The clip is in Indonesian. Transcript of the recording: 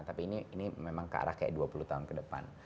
tapi ini memang ke arah kayak dua puluh tahun ke depan